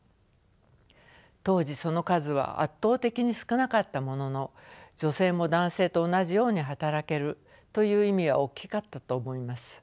当時その数は圧倒的に少なかったものの女性も男性と同じように働けるという意味は大きかったと思います。